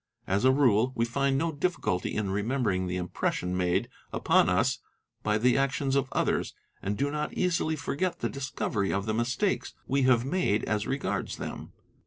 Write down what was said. As Brie we find no difficulty in remembering the impression made upon us by the actions of others and do not easily forget the discovery of the mistakes we have made as regards them.